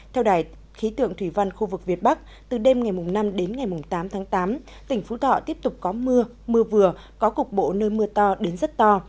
theo đài khí tượng thủy văn khu vực việt bắc từ đêm ngày năm đến ngày tám tháng tám tỉnh phú thọ tiếp tục có mưa mưa vừa có cục bộ nơi mưa to đến rất to